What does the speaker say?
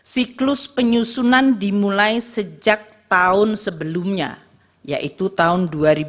siklus penyusunan dimulai sejak tahun sebelumnya yaitu tahun dua ribu dua